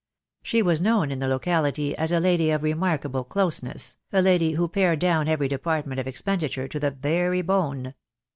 She was known in the locality as a lady of remarkable "closeness,"' a lady who pared down every department of expenditure to the very bone.